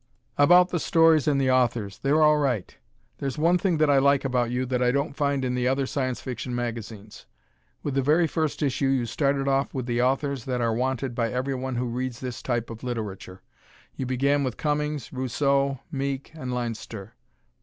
About the stories and the authors, they're all right. There's one thing that I like about you that I don't find in the other Science Fiction magazines. With the very first issue you started off with the authors that are wanted by everyone who reads this type of literature. You began with Cummings, Rousseau, Meek and Leinster.